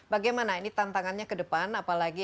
bagaimana ini tantangannya ke depan apalagi